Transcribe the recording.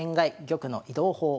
玉の移動法」。